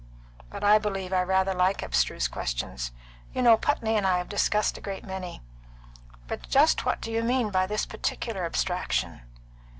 But I believe I rather like abstruse questions. You know Putney and I have discussed a great many. But just what do you mean by this particular abstraction?"